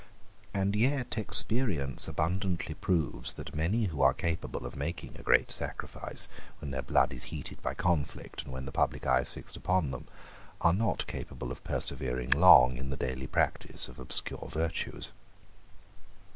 And yet experience abundantly proves that many who are capable of making a great sacrifice, when their blood is heated by conflict, and when the public eye is fixed upon them, are not capable of persevering long in the daily practice of obscure virtues.